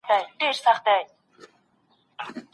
زموږ بڼ د اتڼ دپاره ښه سمېږي.